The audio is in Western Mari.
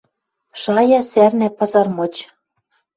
Шая сӓрнӓ пазар мыч.